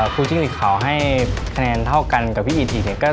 ผู้ชิงศิษย์เขาให้ขนาดเท่ากันกับพี่อิทธิ์เนี่ย